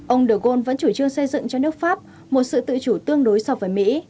ông do golds vẫn chủ trương xây dựng cho nước pháp một sự tự chủ tương đối so với mỹ